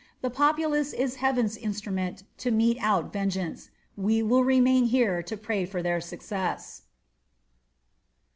The populace is heaven's instrument to mete out vengeance. We will remain here to pray for their success."